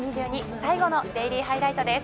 最後のデイリーハイライト」です。